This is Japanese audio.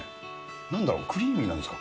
なんだろう、クリーミーなんですか。